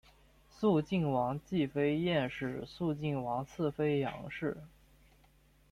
肃靖王继妃晏氏肃靖王次妃杨氏